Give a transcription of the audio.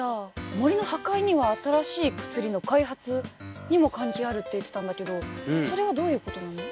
森の破壊には新しい薬の開発にも関係あるって言ってたんだけどそれはどういうことなの？